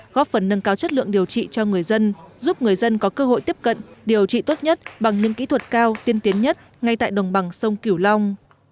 góp phần nâng cao chất lượng điều trị cho người dân giúp người dân có cơ hội tiếp cận điều trị tốt nhất bằng những kỹ thuật cao tiên tiến nhất ngay tại đồng bằng sông cửu long